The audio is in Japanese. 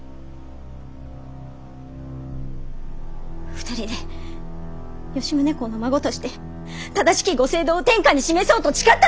２人で吉宗公の孫として正しきご政道を天下に示そうと誓ったではないか！